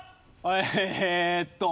えーっと。